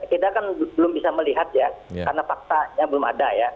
kita kan belum bisa melihat ya karena faktanya belum ada ya